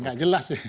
nggak jelas sih